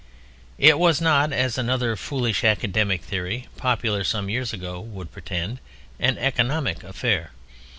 It was not—as another foolish academic theory (popular some years ago) would pretend—an economic affair.